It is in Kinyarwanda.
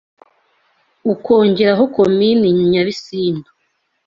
ukongeraho Komini Nyabisindu